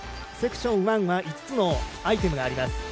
セクション１は５つのアイテムがあります。